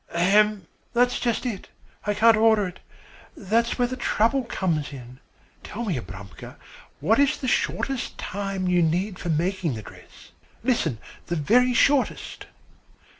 "Ahem, that's just it I can't order it. That is where the trouble comes in. Tell me, Abramka, what is the shortest time you need for making the dress? Listen, the very shortest?"